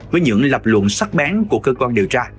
với những lập luận sắc bén của cơ quan điều tra